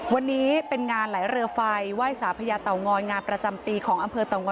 วันนี้เป็นงานไหลเรือไฟไหว้สาพญาเต่างอยงานประจำปีของอำเภอเต่างอ